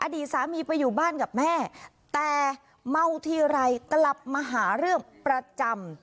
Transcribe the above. อดีตสามีไปอยู่บ้านกับแม่แต่เมาทีไรกลับมาหาเรื่องประจำ